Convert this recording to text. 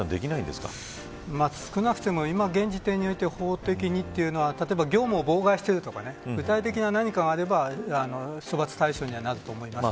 少なくとも現時点では法的にというのは業務を妨害するとか具体的な何かがあれば処罰対象にはなると思います。